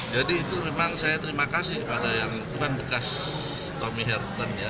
jadi itu memang saya terima kasih pada yang itu kan bekas tommy herten ya